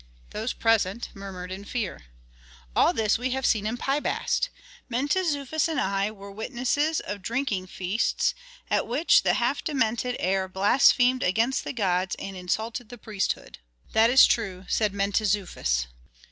Those present murmured in fear. "All this we have seen in Pi Bast. Mentezufis and I were witnesses of drinking feasts, at which the half demented heir blasphemed against the gods and insulted the priesthood." "That is true," said Mentezufis.